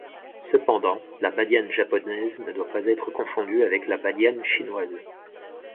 Cependant, la badiane japonaise ne doit pas être confondue avec la badiane chinoise.